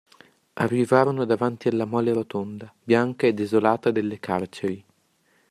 Arrivarono davanti alla mole rotonda, bianca e desolata delle carceri.